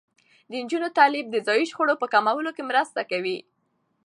د نجونو تعلیم د ځايي شخړو په کمولو کې مرسته کوي.